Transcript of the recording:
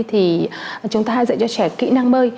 thì chúng ta dạy cho trẻ kỹ năng bơi